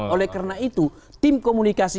oleh karena itu tim komunikasi